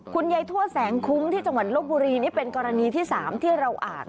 ทยทั่วแสงคุ้มที่จังหวัดลบบุรีนี่เป็นกรณีที่๓ที่เราอ่าน